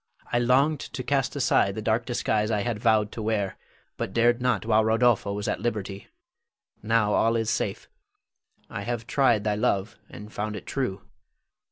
I longed to cast aside the dark disguise I had vowed to wear, but dared not while Rodolpho was at liberty. Now all is safe. I have tried thy love, and found it true.